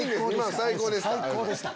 最高でした。